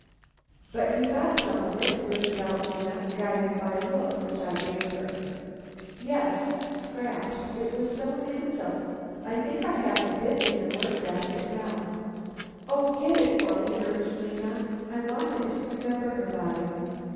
"But you got some of it!" blurted out Lena, guided by a look which I gave her. "Yes, scraps, it was so handsome. I think I have a bit in my work basket now." "O get it for me," urged Lena. "I want it to remember her by."